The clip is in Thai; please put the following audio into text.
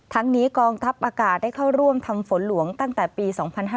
ทั้งนี้กองทัพอากาศได้เข้าร่วมทำฝนหลวงตั้งแต่ปี๒๕๕๙